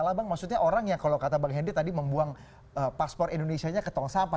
lambang maksudnya orang yang kalau kata bang henry tadi membuang paspor indonesia nya ke tong sampah